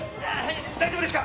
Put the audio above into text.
大丈夫ですか？